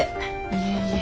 いえいえ。